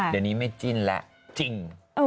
เดี๋ยวนี้ไม่จิ้นแล้วจริง